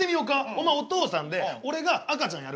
お前お父さんで俺が赤ちゃんやるわ。